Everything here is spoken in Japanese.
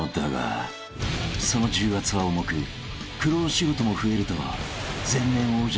［その重圧は重く苦労仕事も増えると］